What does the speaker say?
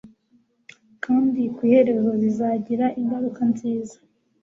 Kandi ku iherezo bizagira ingaruka nziza